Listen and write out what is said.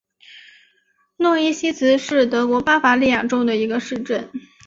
诺伊西茨是德国巴伐利亚州的一个市镇。